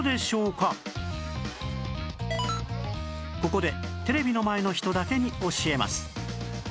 ここでテレビの前の人だけに教えます